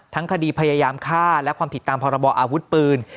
คดีพยายามฆ่าและความผิดตามพรบออาวุธปืน